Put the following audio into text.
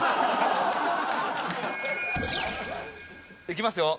いきますよ。